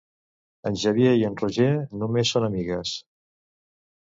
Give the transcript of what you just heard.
En Xavier i en Roger només són amigues.